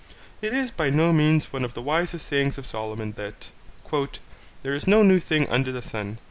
It is by no means one of the wisest sayings of Solomon that 'there is no new thing under the sun.'